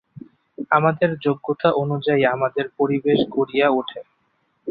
আমাদের যোগ্যতা অনুযায়ী আমাদের পরিবেশ গড়িয়া উঠে।